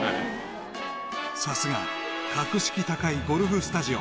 ［さすが格式高いゴルフスタジオ］